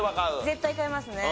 絶対買いますね。